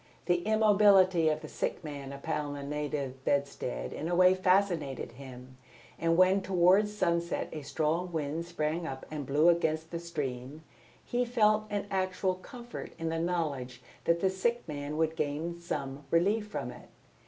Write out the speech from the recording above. The immobility of the sick man upon the native bedstead in a way fascinated him, and when towards sunset a strong wind sprang up and blew against the stream, he felt an actual comfort in the knowledge that the sick man would gain some relief from it.